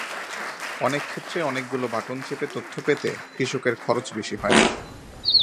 অনেক ক্ষেত্রে অনেকগুলো বাটন চেপে তথ্য পেতে কৃষকের খরচ বেশি হয়।